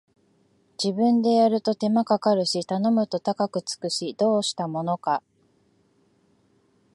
自分でやると手間かかるし頼むと高くつくし、どうしたものか